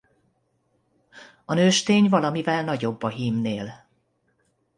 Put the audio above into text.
A nőstény valamivel nagyobb a hímnél.